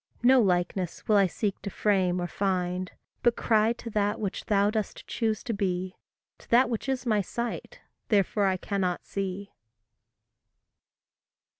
No likeness will I seek to frame or find, But cry to that which thou dost choose to be, To that which is my sight, therefore I cannot see.